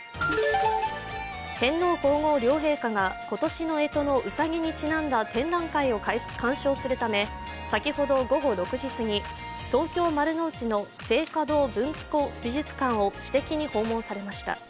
天皇皇后両陛下が今年の干支のうさぎにちなんだ展覧会を鑑賞するため、先ほど午後６時すぎ、東京・丸の内の静嘉堂文庫美術館を私的に訪問されました。